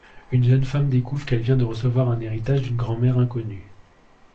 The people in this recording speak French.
Une jeune femme découvre qu'elle vient de recevoir un héritage d'une grand-mère inconnue.